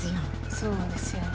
そうですよね